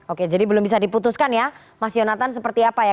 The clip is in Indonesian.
oke jadi belum bisa diputuskan ya mas yonatan seperti apa ya